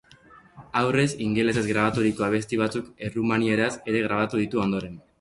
Aurrez ingelesez grabaturiko abesti batzuk errumanieraz ere grabatu ditu ondoren.